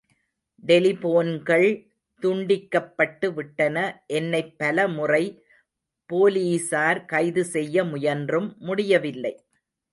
டெலிபோன்கள் துண்டிக்கப்பட்டுவிட்டன என்னைப் பலமுறை போலீசார் கைது செய்ய முயன்றும் முடியவில்லை.